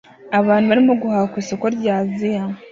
Abantu barimo guhaha ku isoko rya Aziya